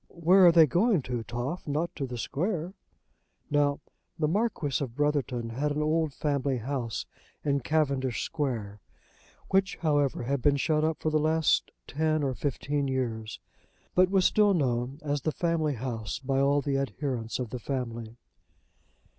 "Where are they going to, Toff? Not to the Square?" Now the Marquis of Brotherton had an old family house in Cavendish Square, which, however, had been shut up for the last ten or fifteen years, but was still known as the family house by all the adherents of the family.